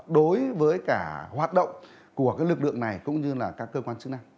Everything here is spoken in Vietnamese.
đối với cả hoạt động của lực lượng này cũng như là các cơ quan chức năng